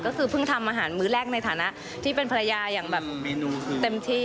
ก็คือเพิ่งทำอาหารมื้อแรกในฐานะที่เป็นภรรยาอย่างแบบเต็มที่